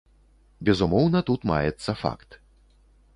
Безумоўна, тут маецца факт.